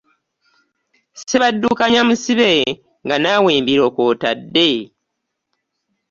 Ssebaddukanya musibe nga naawe embiro kw'otadde.